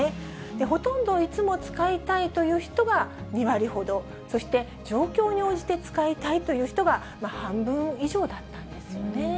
ほとんどいつも使いたいという人が２割ほど、そして状況に応じて使いたいという人が半分以上だったんですよね。